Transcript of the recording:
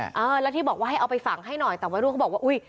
เออแล้วที่บอกว่าให้เอาไปฝังให้หน่อยแต่วัยรุ่นเขาบอกว่าอุ้ย